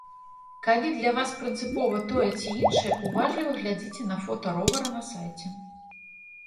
Калі для вас прынцыпова тое ці іншае, уважліва глядзіце на фота ровара на сайце.